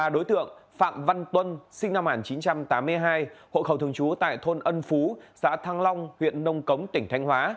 đối tượng phạm văn tuân sinh năm một nghìn chín trăm tám mươi hai hộ khẩu thường trú tại thôn ân phú xã thăng long huyện nông cống tỉnh thanh hóa